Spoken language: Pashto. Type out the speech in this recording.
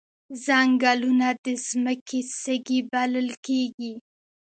ځنګلونه د ځمکې سږي بلل کیږي